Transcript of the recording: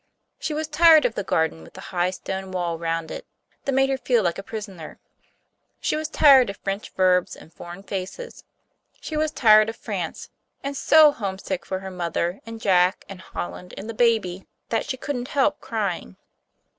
She was tired of the garden with the high stone wall around it, that made her feel like a prisoner; she was tired of French verbs and foreign faces; she was tired of France, and so homesick for her mother and Jack and Holland and the baby, that she couldn't help crying.